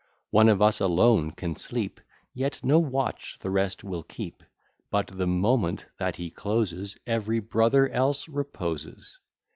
One of us alone can sleep, Yet no watch the rest will keep, But the moment that he closes, Every brother else reposes.